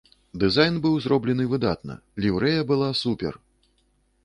Дызайн быў зроблены выдатна, ліўрэя была супер!